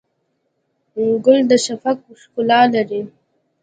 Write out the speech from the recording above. ګل د شفق ښکلا لري.